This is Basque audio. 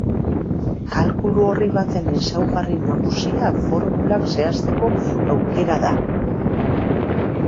Kalkulu-orri baten ezaugarri nagusia formulak zehazteko aukera da.